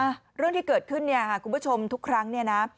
หรืออยากเกิดขึ้นเนี่ยคุณผู้ชมทุกครั้งนี้นะ